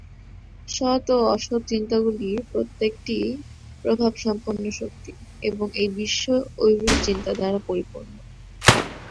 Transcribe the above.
সৎ ও অসৎ চিন্তাগুলির প্রত্যেকটিই প্রভাবসম্পন্ন শক্তি এবং এই বিশ্ব ঐরূপ চিন্তা দ্বারা পরিপূর্ণ।